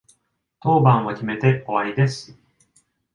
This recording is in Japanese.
当番を決めて終わりです。